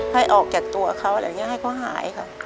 ให้ออกแกะตัวเขาอะไรแบบนี้ให้เขาหายครับ